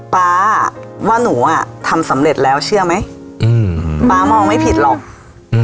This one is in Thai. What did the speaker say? ป๊าว่าหนูอ่ะทำสำเร็จแล้วเชื่อไหมอืมป๊ามองไม่ผิดหรอกอืม